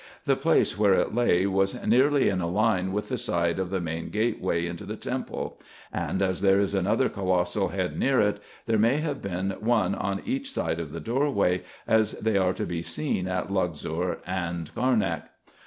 The place where it lay was nearly in a line with the side of the main gateway into the temple ; and, as there is another colossal head near it, there may have been one on each side of the doorway, as they are to be seen at Luxor and Carnak.